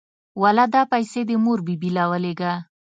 واله دا پيسې دې مور بي بي له ولېږه.